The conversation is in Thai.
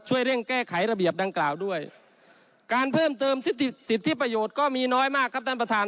เร่งแก้ไขระเบียบดังกล่าวด้วยการเพิ่มเติมสิทธิประโยชน์ก็มีน้อยมากครับท่านประธาน